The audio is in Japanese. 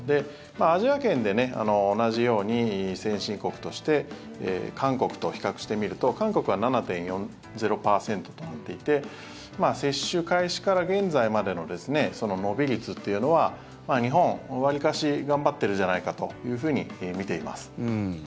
アジア圏で同じように先進国として韓国と比較してみると韓国は７．４０％となっていて接種開始から現在までの伸び率というのは日本、わりかし頑張っているじゃないかというふうに見ています。